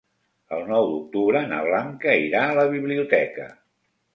El nou d'octubre na Blanca irà a la biblioteca.